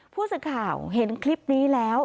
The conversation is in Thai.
ผู้สื่อข่าวเห็นคลิปนี้แล้ว